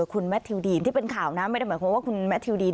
คุณแมททิวดีนที่เป็นข่าวนะไม่ได้หมายความว่าคุณแมททิวดีน